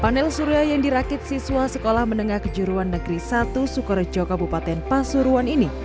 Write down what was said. panel surya yang dirakit siswa sekolah menengah kejuruan negeri satu sukorejo kabupaten pasuruan ini